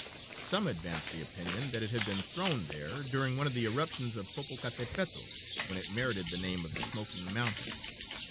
Some advanced the opinion that it had been thrown there during one of the eruptions of Popocatapetl, when it merited the name of "the smoking mountain."